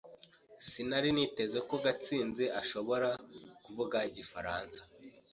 Sinari niteze ko Gatsinzi azashobora kuvuga igifaransa.